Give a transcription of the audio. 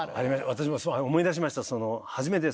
私も思い出しました初めて。